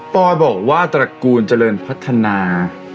ปอยบอกว่าตระกูลเจริญพัฒนา